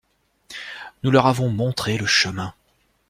Nous leur avons montré le chemin.